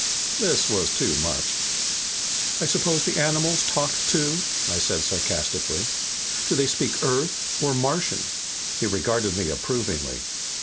This was too much. "I suppose the animals talked, too?" I said sarcastically. "Do they speak Earth or Martian?" He regarded me approvingly.